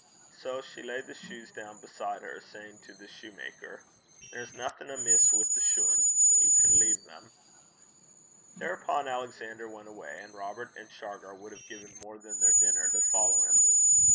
So she laid the shoes down beside her, saying to the soutar, 'There's naething amiss wi' the shune. Ye can lea' them.' Thereupon Alexander went away, and Robert and Shargar would have given more than their dinner to follow him.